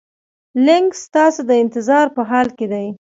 لینک ستاسو د انتظار په حال کې دی.